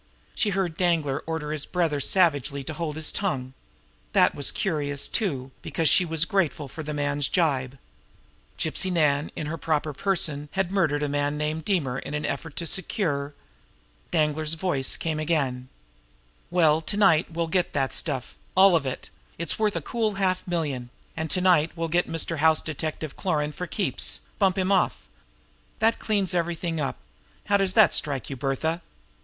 She heard Danglar order his brother savagely to hold his tongue. That was curious, too, because she was grateful for the man's gibe. Gypsy Nan, in her proper person, had murdered a man named Deemer in an effort to secure Danglar's voice came again: "Well, to night we'll get that stuff, all of it it's worth a cool half million; and to night we'll get Mr. House Detective Cloran for keeps bump him off. That cleans everything up. How does that strike you, Bertha?"